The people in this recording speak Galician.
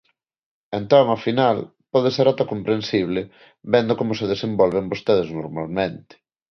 Entón, ao final, pode ser ata comprensible, vendo como se desenvolven vostedes normalmente.